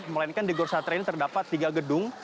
melainkan di gor satria ini terdapat tiga gedung